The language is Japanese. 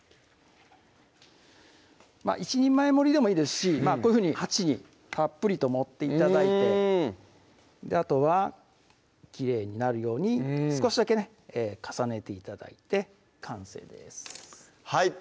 まぁ１人前盛りでもいいですしこういうふうに鉢にたっぷりと盛って頂いてあとはきれいになるように少しだけね重ねて頂いて完成ですはい